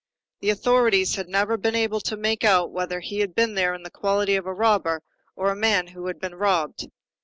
The authorities had never been able to make out whether he had been there in the quality of a robber or a man who had been robbed.